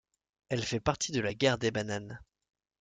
Elle fait partie de la guerre des Bananes.